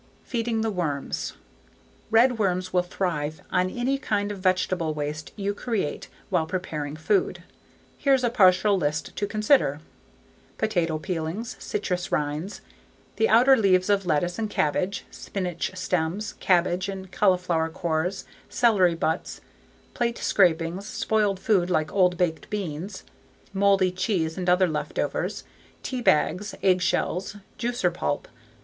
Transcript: Feeding the Worms Redworms will thrive on any kind of vegetable waste you create while preparing food. Here's a partial list to consider: potato peelings, citrus rinds, the outer leaves of lettuce and cabbage, spinach stems, cabbage and cauliflower cores, celery butts, plate scrapings, spoiled food like old baked beans, moldy cheese and other leftovers, tea bags, egg shells, juicer pulp.